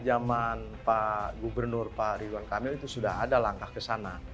zaman pak gubernur pak ridwan kamil itu sudah ada langkah ke sana